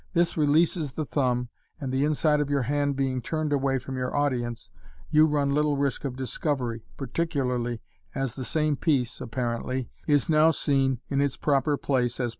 This releases the thumb, and the inside of your hand being turned away from your audience, you run little risk of discovery, particularly as the same piece, apparently, is now c us prope: place a* pan.